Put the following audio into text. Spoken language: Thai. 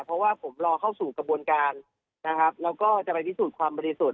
เพราะว่าผมรอเข้าสู่กระบวนการแล้วก็จะไปที่สูตรความบริสุทธิ์